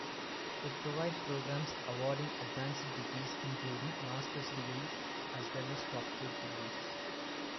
It provides programs awarding advanced degrees including master's degrees as well as doctorate degrees.